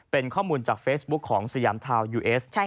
เป็นข้อมูลจากเฟซบุ๊คของสยามทาวน์ยูเอส